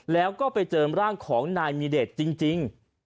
แล้วก็ไปเจอร่างของนายมีเดชจริง